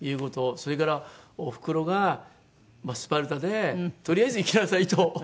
それからおふくろがスパルタで「とりあえず行きなさい」と。